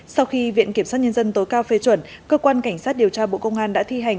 sau khi viện kiểm sát nhân dân tối cao phê chuẩn cơ quan cảnh sát điều tra bộ công an đã thi hành